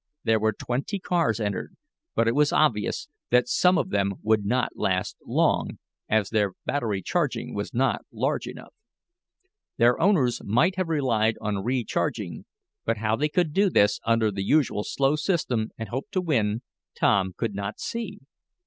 There were twenty cars entered, but it was obvious that some of them would not last long, as their battery capacity was not large enough. Their owners might have relied on recharging, but how they could do this under the usual slow system, and hope to win, Tom could not see.